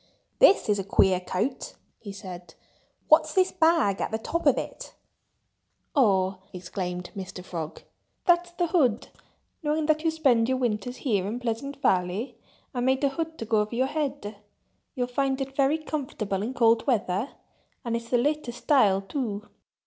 "This is a queer coat!" he said. "What's this bag at the top of it?" "Oh!" exclaimed Mr. Frog. "That's the hood! Knowing that you spend your winters here in Pleasant Valley, I made a hood to go over your head.... You'll find it very comfortable in cold weather—and it's the latest style, too.